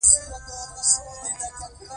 رستم یو پهلوان دی.